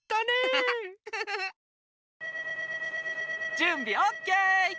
じゅんびオッケー！